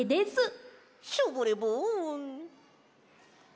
ショボレボン！